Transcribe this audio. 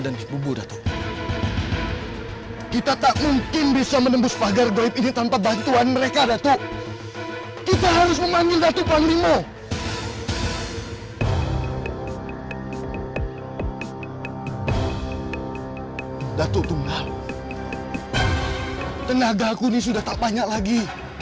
datuk tunggal tenaga aku ini sudah tak banyak lagi